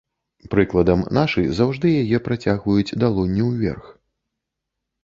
Прыкладам, нашы заўжды яе працягваюць далонню ўверх.